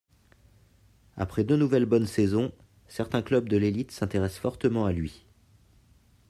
Après deux nouvelles bonnes saisons, certains clubs de l'élite s'intéressent fortement à lui.